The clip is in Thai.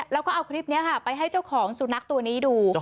แล้วก็เอาคลิปนี้ค่ะไปให้เจ้าของสุนัขตัวนี้ดู